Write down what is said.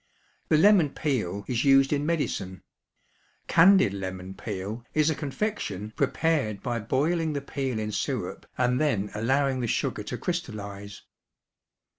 The lemon peel is used in medicine. Candied lemon peel is a confection prepared by boiling the peel in syrup and then allowing the sugar to crystallize.